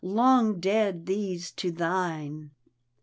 " Long dead these to thine.